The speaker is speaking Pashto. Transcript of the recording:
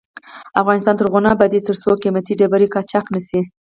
افغانستان تر هغو نه ابادیږي، ترڅو قیمتي ډبرې قاچاق نشي.